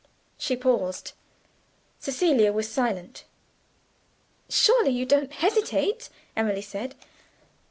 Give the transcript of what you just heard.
She paused. Cecilia was silent. "Surely you don't hesitate?" Emily said.